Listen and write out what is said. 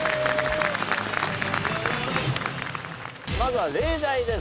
まずは例題です。